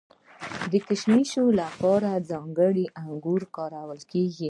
د کشمشو لپاره ځانګړي انګور کارول کیږي.